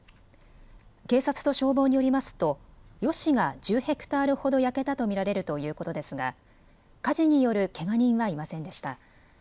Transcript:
警察と消防によりますとヨシが１０ヘクタールほど焼けたと見られるということですが火事によるけが人はいませんでした。